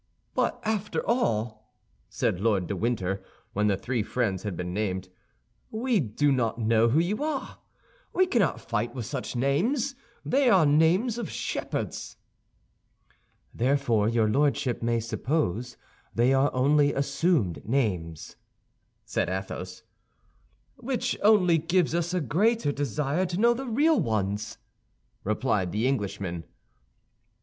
"But after all," said Lord de Winter, when the three friends had been named, "we do not know who you are. We cannot fight with such names; they are names of shepherds." "Therefore your lordship may suppose they are only assumed names," said Athos. "Which only gives us a greater desire to know the real ones," replied the Englishman.